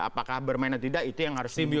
apakah bermain atau tidak itu yang harus diubah